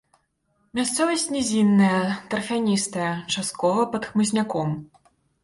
Мясцовасць нізінная, тарфяністая, часткова пад хмызняком.